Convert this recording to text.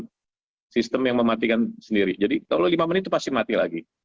maka itu mematikan sendiri jadi kalau lima menit itu pasti mati lagi